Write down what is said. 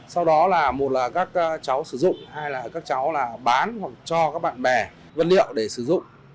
sau đó là một là các cháu sử dụng hai là các cháu là bán hoặc cho các bạn bè vật liệu để sử dụng